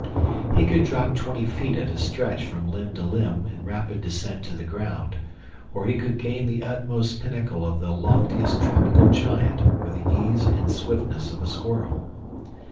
He could drop twenty feet at a stretch from limb to limb in rapid descent to the ground, or he could gain the utmost pinnacle of the loftiest tropical giant with the ease and swiftness of a squirrel.